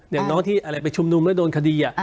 ให้น้องที่ไปชุมนุมและเดินคดี